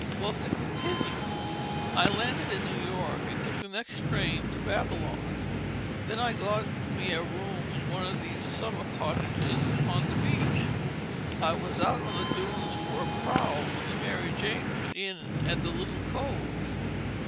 Well, to continue: I landed in New York and took the next train to Babylon. Then I got me a room in one of those summer cottages on the beach. I was out on the dunes for a prowl when the Mary Jane put in at that little cove.